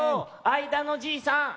あいだのじいさん。